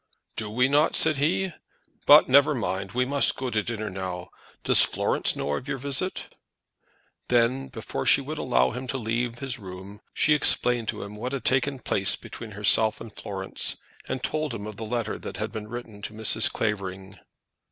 "Do we not?" said he. "But never mind; we must go to dinner now. Does Florence know of your visit?" Then, before she would allow him to leave his room, she explained to him what had taken place between herself and Florence, and told him of the letter that had been written to Mrs. Clavering.